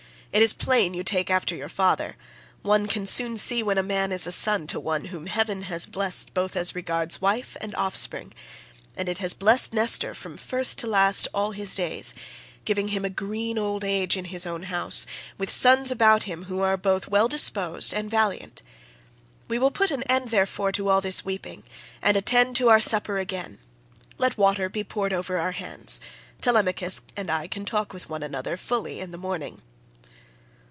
It is plain you take after your father. One can soon see when a man is son to one whom heaven has blessed both as regards wife and offspring—and it has blessed Nestor from first to last all his days, giving him a green old age in his own house, with sons about him who are both well disposed and valiant. We will put an end therefore to all this weeping, and attend to our supper again. Let water be poured over our hands. Telemachus and I can talk with one another fully in the morning."